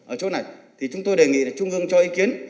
ở chỗ này thì chúng tôi đề nghị là trung ương cho ý kiến